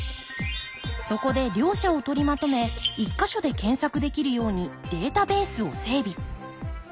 そこで両者を取りまとめ１か所で検索できるようにデータベースを整備。